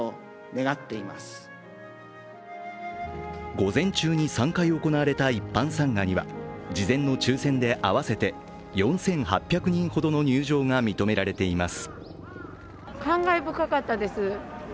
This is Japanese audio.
午前中に３回行われた一般参賀には事前の抽選で、合わせて４８００人ほどの入場が認められています。